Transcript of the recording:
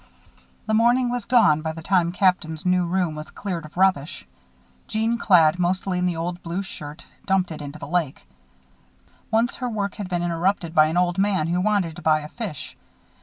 The morning was gone by the time Old Captain's new room was cleared of rubbish. Jeanne, clad mostly in the old blue shirt, dumped it into the lake. Once her work had been interrupted by an old man who wanted to buy a fish.